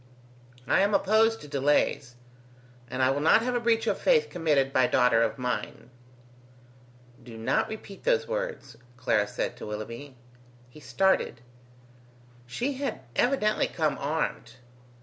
I am opposed to delays, and I will not have a breach of faith committed by daughter of mine." "Do not repeat those words," Clara said to Willoughby. He started. She had evidently come armed.